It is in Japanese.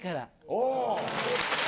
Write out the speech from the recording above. お。